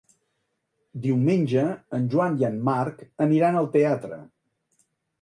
Diumenge en Joan i en Marc aniran al teatre.